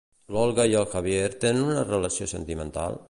L'Olga i el Javier tenen una relació sentimental?